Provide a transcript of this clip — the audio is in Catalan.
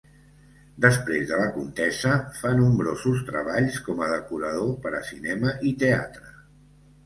Després de la contesa, fa nombrosos treballs com a decorador per a cinema i teatre.